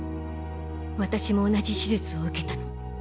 私も同じ手術を受けたの。